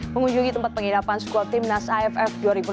mengunjungi tempat pengidapan skuad tim nas aff dua ribu enam belas